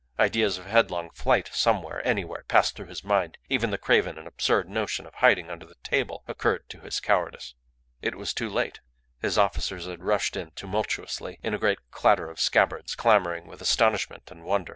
Ideas of headlong flight somewhere, anywhere, passed through his mind; even the craven and absurd notion of hiding under the table occurred to his cowardice. It was too late; his officers had rushed in tumultuously, in a great clatter of scabbards, clamouring, with astonishment and wonder.